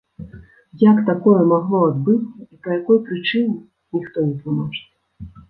Як такое магло адбыцца і па якой прычыне, ніхто не тлумачыць.